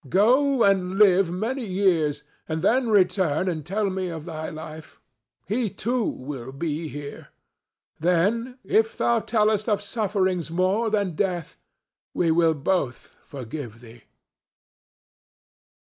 Go and live many years, and then return and tell me of thy life. He too will be here. Then, if thou tellest of sufferings more than death, we will both forgive thee."